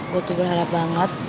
gue tuh berharap banget